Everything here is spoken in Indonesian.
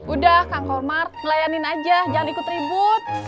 udah kang komar ngelayanin aja jangan ikut ribut